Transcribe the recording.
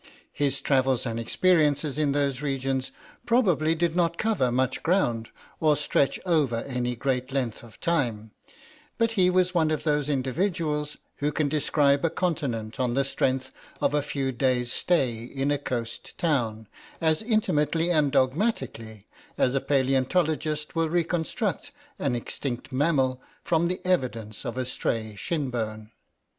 His travels and experiences in those regions probably did not cover much ground or stretch over any great length of time, but he was one of those individuals who can describe a continent on the strength of a few days' stay in a coast town as intimately and dogmatically as a paleontologist will reconstruct an extinct mammal from the evidence of a stray shin bone.